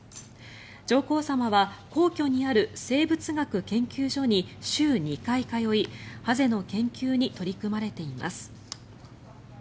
上皇さまは皇居にある生物学研究所に週２回通いハゼの研究に取り組まれています。